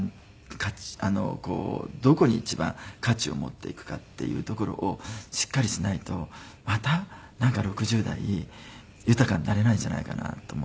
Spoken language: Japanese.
どこに一番価値を持っていくかっていうところをしっかりしないとまたなんか６０代豊かになれないんじゃないかなと思って。